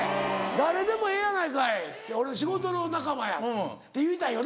「誰でもええやないかい仕事の仲間や」って言いたいよな。